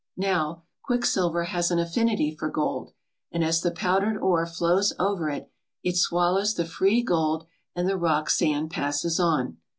Now, quicksilver has an affinity for gold, and as the powdered ore flows over it it swallows the free gold and the rock sand passes on.